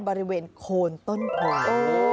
บริเวณโคนต้นควาย